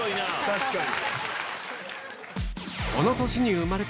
確かに。